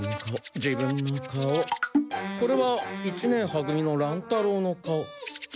これは一年は組の乱太郎の顔。